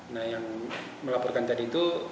nah yang melaporkan tadi itu